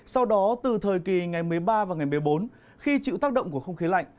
sau đó từ thời kỳ ngày một mươi ba và ngày một mươi bốn khi chịu tác động của không khí lạnh